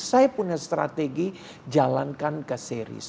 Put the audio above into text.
saya punya strategi jalankan ke seri